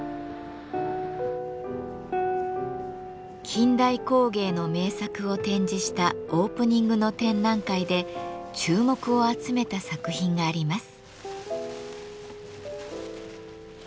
近代工芸の名作を展示したオープニングの展覧会で注目を集めた作品があります。